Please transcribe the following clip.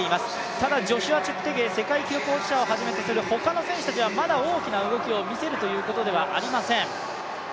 ただジョシュア・チェプテゲイ、世界記録保持者をはじめとする他の選手は、まだ大きな動きを見せるということではありません。